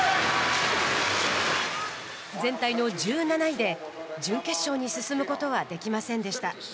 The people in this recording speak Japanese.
全体の１７位で、準決勝に進むことはできませんでした。